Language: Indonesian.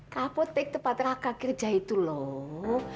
kapotek itu padraka kerja itu loh